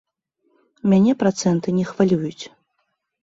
Мяне працэнты не хвалююць.